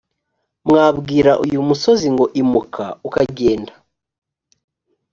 mwabwira uyu musozi ngo imuka ukagenda